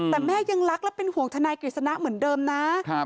แต่แม่ยังรักและเป็นห่วงทนายกฤษณะเหมือนเดิมนะ